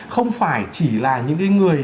không phải chỉ là những cái người